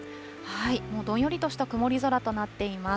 もうどんよりとした曇り空となっています。